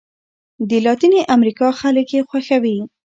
د لاتیني امریکا خلک یې خوښوي.